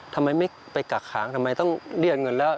ทำไมไม่ไปกักขังทำไมต้องเรียกเงินแล้ว